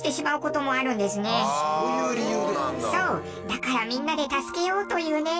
だから、みんなで助けようというね。